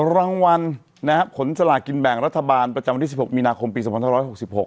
รางวัลนะครับขนสลากินแบ่งรัฐบาลประจำวันที่สิบหกมีนาคมปีสมรรถร้อยหกสิบหก